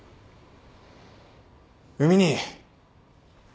海兄。